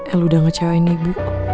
el udah ngecewain ibu